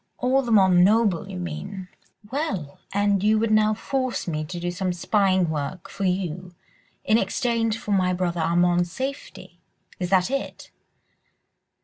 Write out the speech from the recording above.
"All the more noble, you mean. ... Well!—and you would now force me to do some spying work for you in exchange for my brother Armand's safety?—Is that it?"